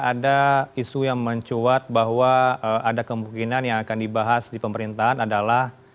ada isu yang mencuat bahwa ada kemungkinan yang akan dibahas di pemerintahan adalah